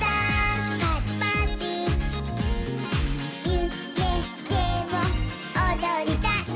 「ゆめでもおどりたい」